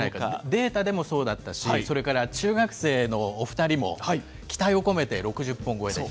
データでもそうだったし、それから中学生のお２人も、期待を込めて６０本超えで。